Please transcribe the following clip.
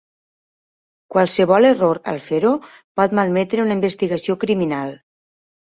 Qualsevol error al fer-ho pot malmetre una investigació criminal.